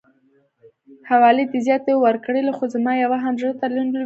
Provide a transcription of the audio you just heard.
حوالې دي زياتې ورکړلې خو زما يوه هم زړه ته نه لويږي.